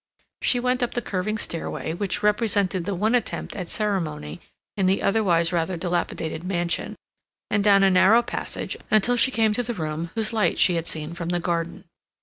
She went up the curving stairway, which represented the one attempt at ceremony in the otherwise rather dilapidated mansion, and down a narrow passage until she came to the room whose light she had seen from the garden.